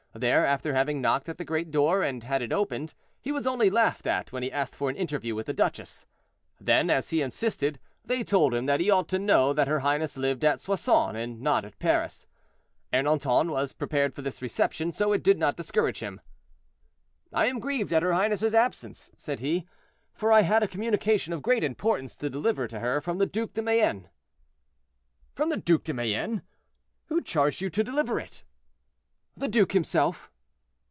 There, after having knocked at the great door and had it opened, he was only laughed at when he asked for an interview with the duchess. Then, as he insisted, they told him that he ought to know that her highness lived at Soissons and not at Paris. Ernanton was prepared for this reception, so it did not discourage him. "I am grieved at her highness's absence," said he, "for I had a communication of great importance to deliver to her from the Duc de Mayenne." "From the Duc de Mayenne! Who charged you to deliver it?" "The duke himself."